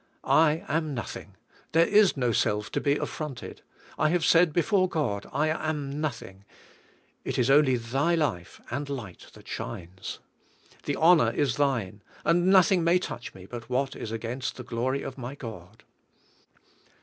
I am nothing. There is no self to be affronted ; I have said before God: "I am nothing; it is only Th}^ life and light that shines. The honor is Thine, and nothing may touch me but what is against the glory of my God."